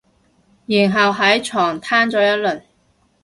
然後喺床攤咗一輪